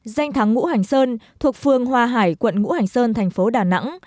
danh thắng ngũ hành sơn thuộc phương hoa hải quận ngũ hành sơn thành phố đà nẵng